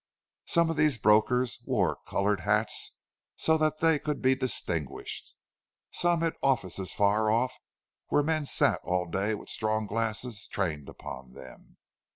Some of these brokers wore coloured hats, so that they could be distinguished; some had offices far off, where men sat all day with strong glasses trained upon them.